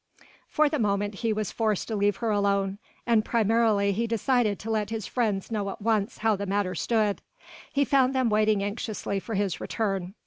For the moment he was forced to leave her alone, and primarily he decided to let his friends know at once how the matter stood. He found them waiting anxiously for his return.